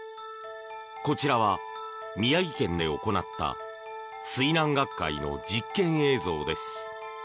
こちらは、宮城県で行った水難学会の実験映像です。